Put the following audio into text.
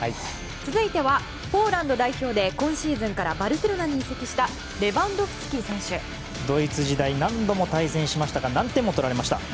続いてはポーランド代表で今シーズンからバルセロナに移籍したドイツ時代、何度も対戦して何点も取られました。